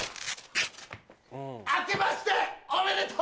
あけましておめでとう！